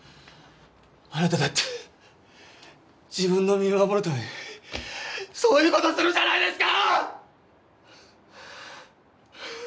あなただって自分の身を守るためにそういう事をするじゃないですか！